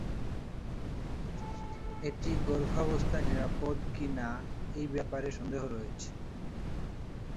এটি গর্ভাবস্থায় নিরাপদ কিনা এই ব্যাপারে সন্দেহ রয়েছে।